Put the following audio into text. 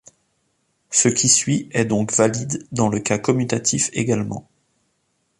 Ce qui suit est donc valide dans le cas commutatif également.